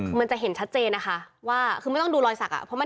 มันจะเห็นชัดเจนนะคะว่าคือไม่ต้องดูรอยสัก